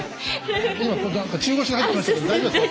今中腰で入ってきましたけど大丈夫ですか？